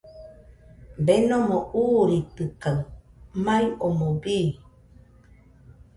Denomo uuritɨkaɨ, mai omoɨ bii.